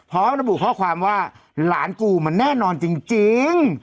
พร้อมระบุข้อความว่าหลานกูมันแน่นอนจริง